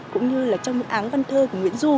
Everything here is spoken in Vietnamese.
cũng như là trong những áng văn thơ của nguyễn du